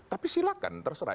tapi silakan terserah